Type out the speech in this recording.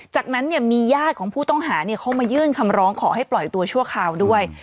จากนั้นมีญาติของผู้ต้องหาเขามายื่นคำร้องขอให้ปล่อยตัวชั่วคราวด้วย